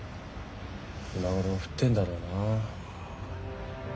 今頃降ってんだろうな。